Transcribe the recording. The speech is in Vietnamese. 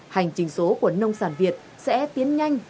hành trình số của nông sản việt sẽ tiến nhanh